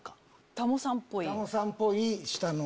タモさんっぽい。